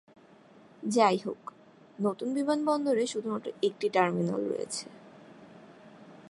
যাইহোক, নতুন বিমানবন্দরে শুধুমাত্র একটি টার্মিনাল রয়েছে।